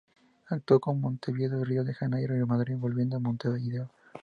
Actuó en Montevideo, Río de Janeiro y Madrid, volviendo a Montevideo.